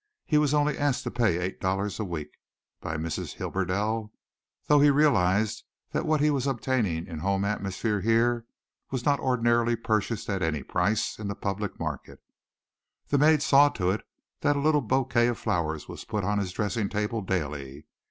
He was only asked to pay eight dollars a week by Mrs. Hibberdell, though he realized that what he was obtaining in home atmosphere here was not ordinarily purchasable at any price in the public market. The maid saw to it that a little bouquet of flowers was put on his dressing table daily.